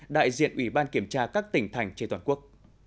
đại diện ủy ban kiểm tra các tỉnh thành trên toàn quốc